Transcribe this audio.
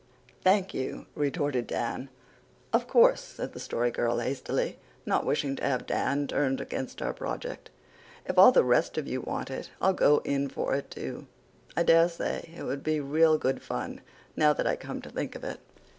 "Thank you," retorted Dan. "Of course," said the Story Girl hastily, not wishing to have Dan turned against our project, "if all the rest of you want it I'll go in for it too. I daresay it would be real good fun, now that I come to think of it.